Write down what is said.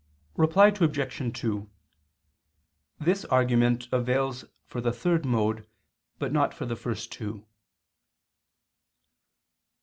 Reply Obj. 2: This argument avails for the third mode, but not for the first two.